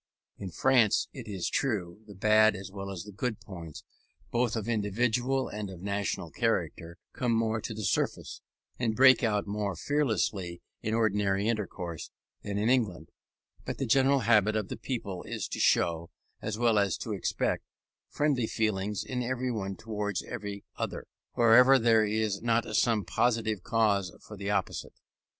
In France, it is true, the bad as well as the good points, both of individual and of national character, come more to the surface, and break out more fearlessly in ordinary intercourse, than in England: but the general habit of the people is to show, as well as to expect, friendly feeling in every one towards every other, wherever there is not some positive cause for the opposite.